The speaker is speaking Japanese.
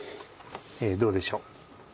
どうでしょう？